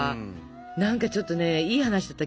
何かちょっとねいい話だった。